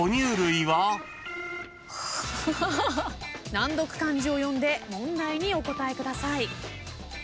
難読漢字を読んで問題にお答えください。